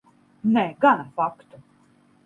Nē, gana faktu.